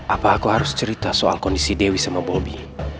apa aku harus cerita soal kondisi dewi sama bobi